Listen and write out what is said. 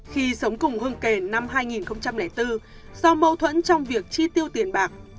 khi sống cùng hưng kền năm hai nghìn bốn do mâu thuẫn trong việc chi tiêu tiền bạc